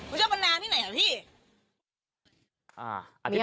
มันจำตัวตนาแบบนี้ไหน